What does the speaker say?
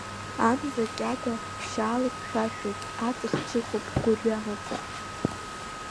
Амза кьагәа ԥшьала ихьшәашәоит, аҵых ҿыхоуп, гәырҩа амаӡам.